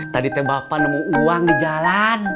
tadi teh bapak nemu uang di jalan